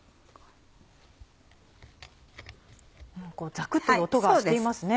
ザクっという音がしていますね。